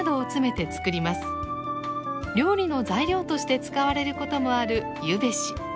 料理の材料として使われることもあるゆべし。